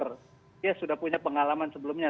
dia sudah punya pengalaman sebelumnya